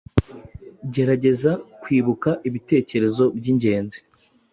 Gerageza kwibuka ibitekerezo byingenzi,